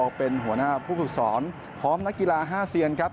เป็นหัวหน้าผู้ฝึกสอนพร้อมนักกีฬา๕เซียนครับ